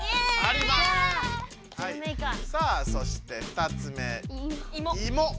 さあそして２つ目「いも」。